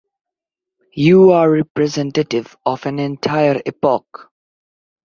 You are representative of an entire epoch!